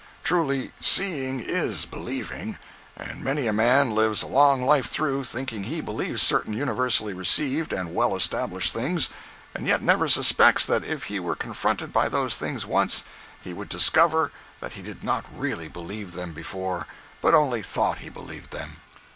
Truly, "seeing is believing"—and many a man lives a long life through, thinking he believes certain universally received and well established things, and yet never suspects that if he were confronted by those things once, he would discover that he did not really believe them before, but only thought he believed them.